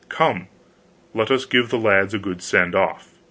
come, let us give the lads a good send off.